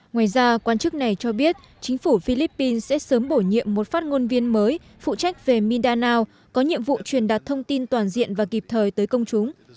ngoài ra quan chức này cho biết chính phủ philippines sẽ sớm bổ nhiệm một phát ngôn viên mới phụ trách về mindanao có nhiệm vụ truyền đặt thông tin toàn diện và kịp thời tới công chúng